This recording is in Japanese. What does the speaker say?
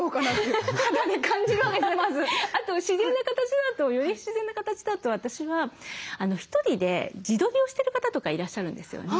あと自然な形だとより自然な形だと私は１人で自撮りをしてる方とかいらっしゃるんですよね。